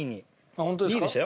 あっホントですか？